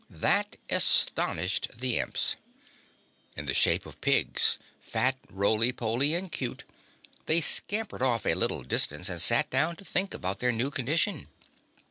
That astonished the Imps. In the shape of pigs fat, roly poly and cute they scampered off a little distance and sat down to think about their new condition.